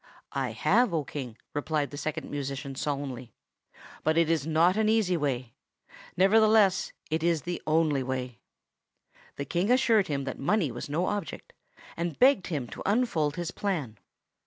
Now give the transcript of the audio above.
"I have, O King," replied the Second Musician solemnly; "but it is not an easy way. Nevertheless it is the only one." The King assured him that money was no object, and begged him to unfold his plan.